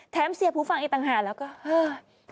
เสียภูฟังอีกต่างหากแล้วก็ฮ่า